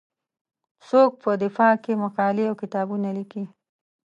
څوک په دفاع کې مقالې او کتابونه لیکي.